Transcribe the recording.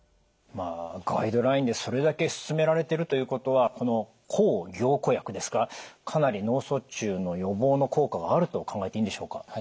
まあガイドラインでそれだけ勧められてるということはこの抗凝固薬ですかかなり脳卒中の予防の効果があると考えていいんでしょうか？